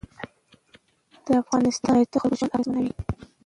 د افغانستان ولایتونه د خلکو ژوند اغېزمن کوي.